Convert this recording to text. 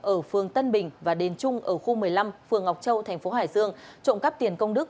ở phường tân bình và đền trung ở khu một mươi năm phường ngọc châu thành phố hải dương trộm cắp tiền công đức